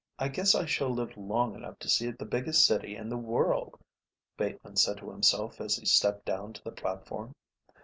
"I guess I shall live long enough to see it the biggest city in the world," Bateman said to himself as he stepped down to the platform.